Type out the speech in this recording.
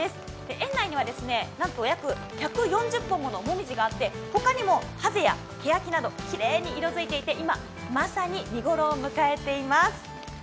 園内にはなんと約１４０本もの紅葉があって他にも、はぜやけやきなどきれいに色づいていて今、まさに見頃を迎えています。